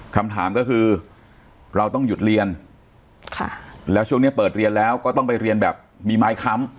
คำถามก็คือเราต้องหยุดเรียนค่ะแล้วช่วงนี้เปิดเรียนแล้วก็ต้องไปเรียนแบบมีไม้ค้ำ